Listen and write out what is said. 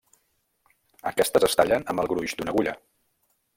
Aquestes es tallen amb el gruix d'una agulla.